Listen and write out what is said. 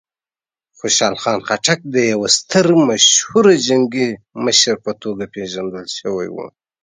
خوشحال خان خټک د یوه ستر مشهوره جنګي مشر په توګه پېژندل شوی و.